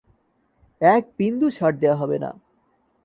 এক বিন্দু ছাড় দেওয়া হবে না।